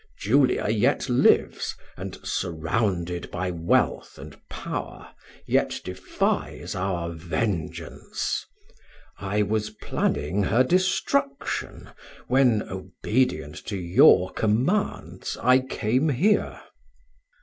Julia yet lives, and, surrounded by wealth and power, yet defies our vengeance. I was planning her destruction, when, obedient to your commands, I came here."